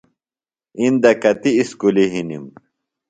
اِندہ کتیۡ اُسکُلیۡ ہِنِم؟